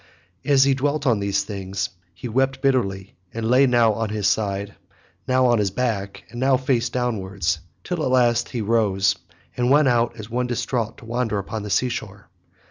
As he dwelt on these things he wept bitterly and lay now on his side, now on his back, and now face downwards, till at last he rose and went out as one distraught to wander upon the sea shore.